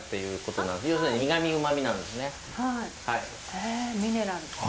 へえミネラルか。